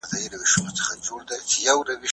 زه له سهاره بازار ته ځم،